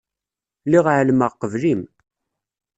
Lliɣ εelmeɣ qbel-im.